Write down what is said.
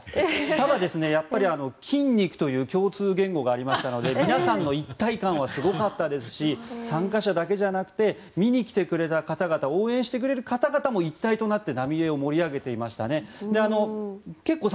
ただ、やはり筋肉という共通言語がありましたので皆さんの一体感はすごかったですし参加者だけじゃなくて見に来てくれた方々応援してくれた方々も一体となって浪江を盛り上げてくれていましたね。